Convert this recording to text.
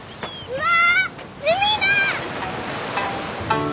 うわ！